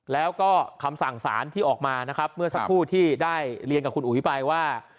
แล้วก็คำสั่งสารที่ออกมานะครับเมื่อสักครู่ที่ได้เรียนกับคุณอุ๋ยไปว่า